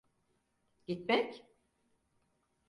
Gitmek…